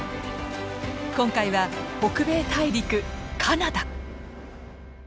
今回は北米大陸カナダ！